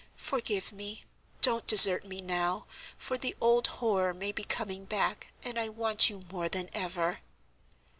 Forgive me; don't desert me now, for the old horror may be coming back, and I want you more than ever."